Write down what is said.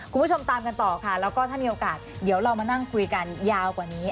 คุณผู้ชมตามกันต่อค่ะแล้วก็ถ้ามีโอกาสเดี๋ยวเรามานั่งคุยกันยาวกว่านี้